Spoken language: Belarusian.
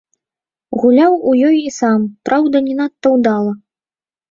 Гуляў у ёй і сам, праўда, не надта ўдала.